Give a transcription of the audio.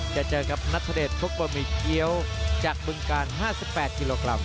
จะเจอกับนัทธเดชพบบะหมี่เกี้ยวจากบึงการ๕๘กิโลกรัม